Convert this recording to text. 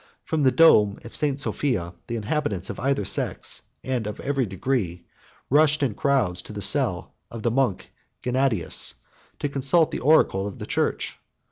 From the dome of St. Sophia the inhabitants of either sex, and of every degree, rushed in crowds to the cell of the monk Gennadius, 34 to consult the oracle of the church.